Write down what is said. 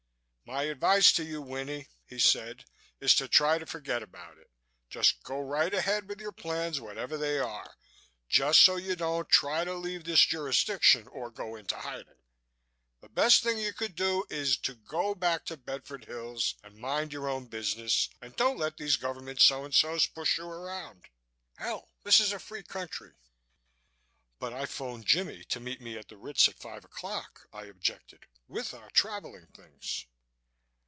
"My advice to you, Winnie," he said, "is to try to forget about it. Just go right ahead with your plans, whatever they are, just so you don't try to leave this jurisdiction or go into hiding. The best thing you could do is to go back to Bedford Hills and mind your own business and don't let these government so and so's push you around. Hell, this is a free country!" "But I phoned Jimmie to meet me at the Ritz at five o'clock," I objected, "with our traveling things."